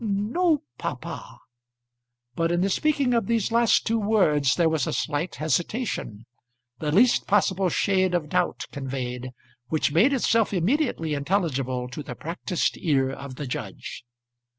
"No, papa." But in the speaking of these last two words there was a slight hesitation, the least possible shade of doubt conveyed, which made itself immediately intelligible to the practised ear of the judge.